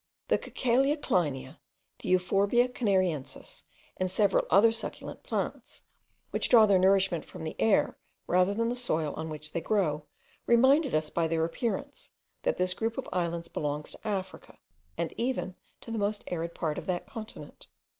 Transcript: The Cacalia Kleinia, the Euphorbia canariensis, and several other succulent plants, which draw their nourishment from the air rather than the soil on which they grow, reminded us by their appearance, that this group of islands belongs to Africa, and even to the most arid part of that continent.